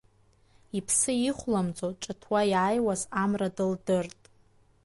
Иԥсы ихәламӡо, ҿыҭуа иааиуаз Амра дылдырт.